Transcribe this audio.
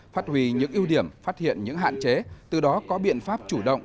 phát hủy những ưu điểm phát hiện những hạn chế từ đó có biện pháp chủ động